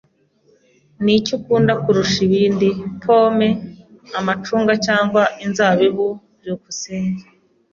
Niki ukunda kurusha ibindi, pome, amacunga cyangwa inzabibu? byukusenge